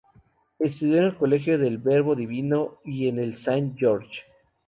Estudió en el Colegio del Verbo Divino y en el Saint George.